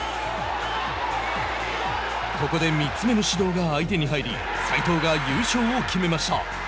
ここで３つ目の指導が相手に入り斉藤が優勝を決めました。